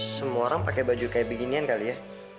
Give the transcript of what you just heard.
semua orang pakai baju kayak beginian kali ya